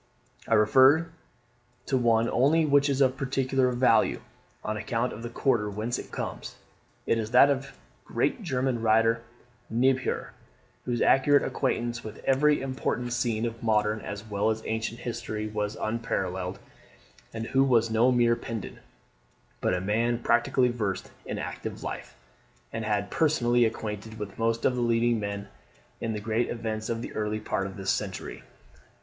I refer to one only, which is of peculiar value, on account of the quarter whence it comes. It is that of the great German writer Niebuhr, whose accurate acquaintance with every important scene of modern as well as ancient history was unparalleled: and who was no mere pedant, but a man practically versed in active life, and had been personally acquainted with most of the leading men in the great events of the early part of this century.